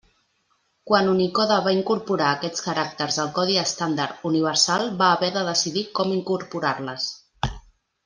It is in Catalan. Quan Unicode va incorporar aquests caràcters al codi estàndard universal va haver de decidir com incorporar-les.